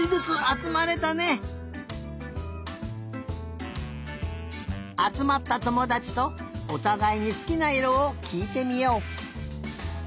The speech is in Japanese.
あつまったともだちとおたがいにすきないろをきいてみよう！